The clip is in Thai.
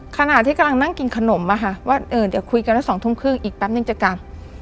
ขณะที่กำลังนั่งกินขนมอะค่ะว่าเดี๋ยวคุยกันแล้ว๒ทุ่มครึ่งอีกแป๊บนึงจะกลับ